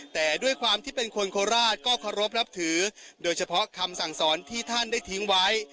แต่ด้วยความที่เป็นคนโคราชก็เคารพนับถือโดยเฉพาะคำสั่งสอนที่ท่านได้ทิ้งไว้